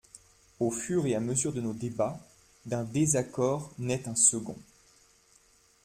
Au fur et à mesure de nos débats, d’un désaccord naît un second.